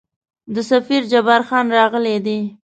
د سفیر جبارخان راغلی دی.